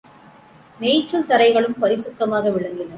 மேய்ச்சல் தரைகளும் பரிசுத்தமாக விளங்கின.